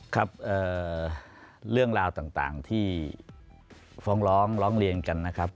ครับเรื่องราวต่างที่ฟ้องร้องร้องเรียนกันนะครับ